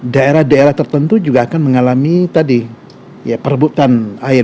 daerah daerah tertentu juga akan mengalami tadi ya perebutan air